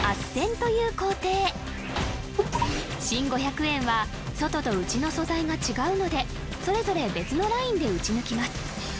穿という工程新５００円は外と内の素材が違うのでそれぞれ別のラインで打ち抜きます